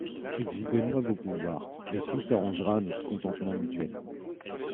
Exhibez-moi vos pouvoirs, et tout s'arrangera à notre contentement mutuel.